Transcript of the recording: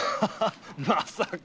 まさか。